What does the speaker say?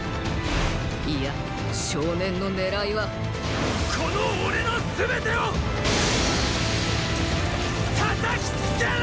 いや少年の狙いはこの俺の全てをっ叩きつける！！